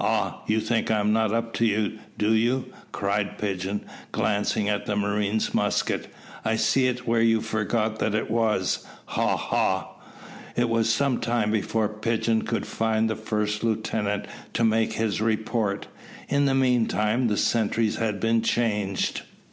"Ah! you think I am not up to you, do you?" cried Pigeon, glancing at the marine's musket. "I see it where you forgot that it was, ha! ha!" It was some time before Pigeon could find the first lieutenant to make his report. In the meantime the sentries had been changed.